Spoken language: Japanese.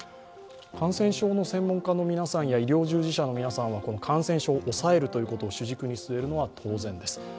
感染症の専門家の皆さんや医療従事者の皆さんは感染症を抑えるということを主軸に据えるのは当然です。